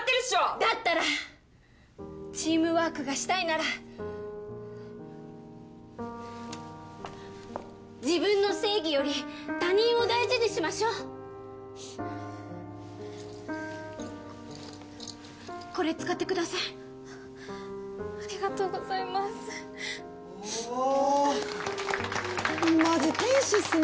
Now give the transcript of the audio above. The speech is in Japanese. だったらチームワークがしたいなら自分の正義より他人を大事にしましょうこれ使ってくださいありがとうございますおおーマジ天使っすね